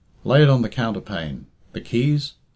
Lay it on the counterpane. The keys?